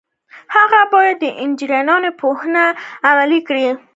هغه باید د انجنیری پوهه عملي کړي.